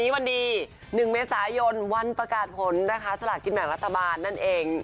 วันนี้วันดี๑เมษายนวันประกาศผลนะคะสลากินแบ่งรัฐบาลนั่นเอง